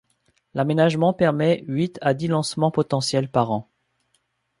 L'aménagement permet huit à dix lancements potentiels par an.